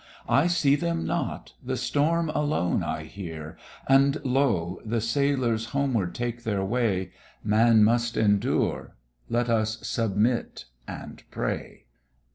I see them not! the storm alone I hear: And lo! the sailors homeward take their way; Man must endure let us submit and pray.